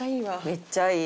めっちゃいい。